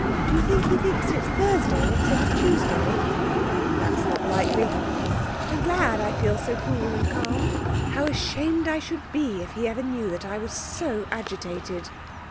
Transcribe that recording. Do you think he thinks it's Thursday instead of Tuesday?' 'That's not likely.' 'I'm glad I feel so cool and calm. How ashamed I should be if he ever knew that I was so agitated!'